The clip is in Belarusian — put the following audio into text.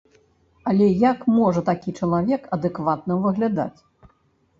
Але як можа такі чалавек адэкватна выглядаць?